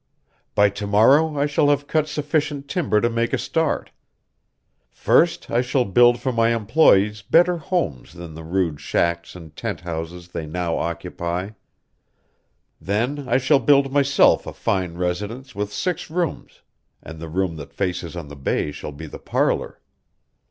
By to morrow I shall have cut sufficient timber to make a start. First I shall build for my employees better homes than the rude shacks and tent houses they now occupy; then I shall build myself a fine residence with six rooms, and the room that faces on the bay shall be the parlour.